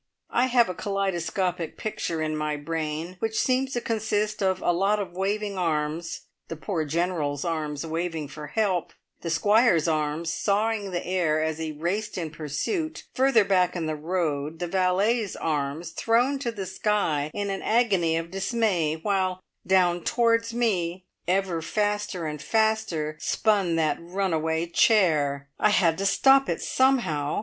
I have a kaleidoscopic picture in my brain which seems to consist of a lot of waving arms the poor General's arms waving for help, the Squire's arms sawing the air as he raced in pursuit, further back in the road the valet's arms thrown to the sky in an agony of dismay, while down towards me, ever faster and faster, spun that runaway chair. I had to stop it somehow!